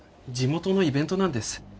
地元のイベントなんです。